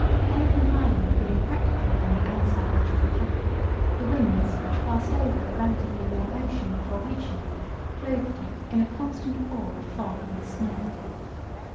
Elephant Island being practically on the outside edge of the pack, the winds which passed over the relatively warm ocean before reaching it clothed it in a "constant pall of fog and snow."